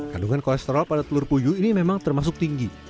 kandungan kolesterol pada telur puyuh ini memang termasuk tinggi